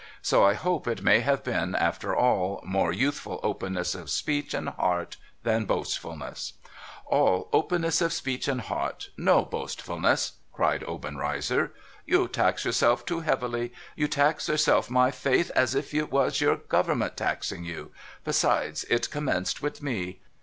So I hope it may have been, after all, more youthful openness of speech and heart than boastfulness.' ' All openness of speech and heart ! No boastfulness 1 ' cried MR. OBENREIZER 497 Obenreizer. ' You tax yourself too heavily. You tax yourself, my faith ! as if you was your Government taxing you ! Besides, it commenced with me.